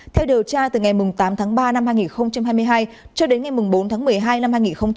theo điều tra từ ngày tám tháng ba năm hai nghìn hai mươi hai cho đến ngày bốn tháng một mươi hai năm hai nghìn hai mươi ba